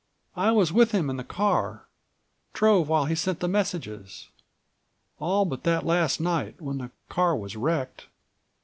I was with him in the car; drove while he sent the messages, all but that last night, when the car was wrecked.